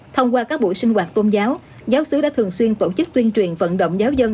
thông qua các buổi sinh hoạt tôn giáo giáo sứ đã thường xuyên tổ chức tuyên truyền vận động giáo dân